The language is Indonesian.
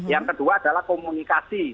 yang kedua adalah komunikasi